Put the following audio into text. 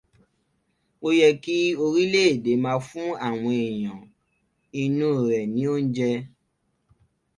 Ó yẹ kí orílẹ̀èdè máa fún àwọn èèyàn inú rẹ̀ ní oúnjẹ.